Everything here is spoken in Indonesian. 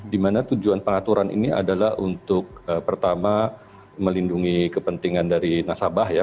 dimana tujuan pengaturan ini adalah untuk pertama melindungi kepentingan dari nasabah ya